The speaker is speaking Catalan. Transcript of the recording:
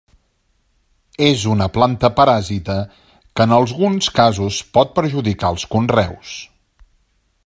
És una planta paràsita que en alguns casos pot perjudicar els conreus.